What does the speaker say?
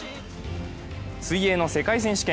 水泳の世界選手権。